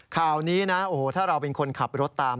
ข่าวนี้นะโอ้โหถ้าเราเป็นคนขับรถตาม